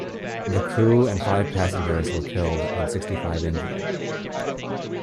The crew and five passengers were killed and sixty-five injured.